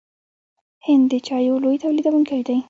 هند د چایو لوی تولیدونکی دی.